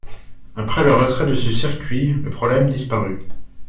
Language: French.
Après le retrait de ce circuit, le problème disparut.